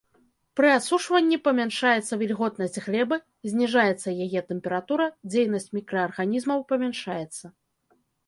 Пры асушванні памяншаецца вільготнасць глебы, зніжаецца яе тэмпература, дзейнасць мікраарганізмаў памяншаецца.